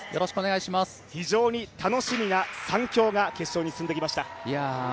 非常に楽しみな３強が決勝に進んできました。